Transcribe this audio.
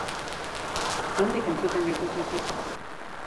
Nondik entzuten gaituzu zuk?